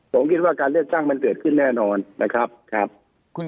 ผมคิดว่าการเลือกตั้งมันเกิดขึ้นแน่นอนนะครับครับ